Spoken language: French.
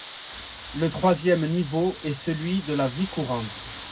Le troisième niveau est celui de la vie courante.